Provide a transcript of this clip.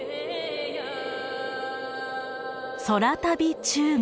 「空旅中国」。